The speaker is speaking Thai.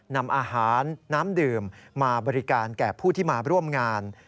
นำอาหารน้ำดื่มมาบริการแก่ผู้ที่มาร่วมงาน